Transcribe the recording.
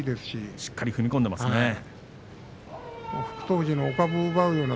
しっかり踏み込んでますね。